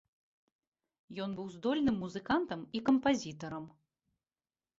Ён быў здольным музыкантам і кампазітарам.